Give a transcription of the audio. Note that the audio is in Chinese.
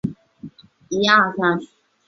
距翅麦鸡为鸻科麦鸡属的鸟类。